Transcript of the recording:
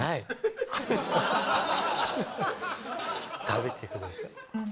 食べてください